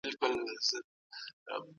په لاره کي په کراره ګرځئ.